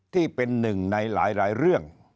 ที่เป็นหนึ่งในหลายเรื่อง